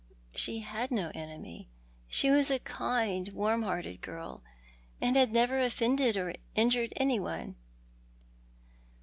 "She had no enemy. She was a kind, warm hearted girl, and had never offended or injured anyone."